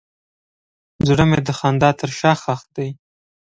زړه مې د خندا تر شا ښخ دی.